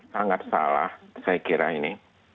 sangat salah saya kira ini